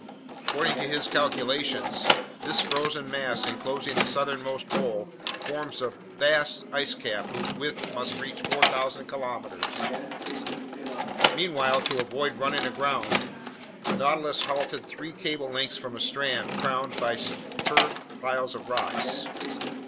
According to his calculations, this frozen mass enclosing the southernmost pole forms a vast ice cap whose width must reach 4,000 kilometers. Meanwhile, to avoid running aground, the Nautilus halted three cable lengths from a strand crowned by superb piles of rocks.